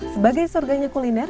sebagai surganya kuliner